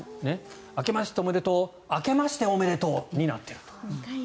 明けましておめでとう明けましておめでとうになっていると。